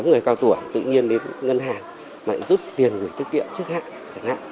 người cao tùa tự nhiên đến ngân hàng lại giúp tiền người tiết kiệm trước hạng